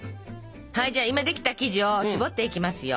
はいじゃあ今できた生地をしぼっていきますよ。